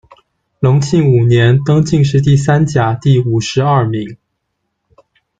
隆庆五年，登进士第三甲第五十二名。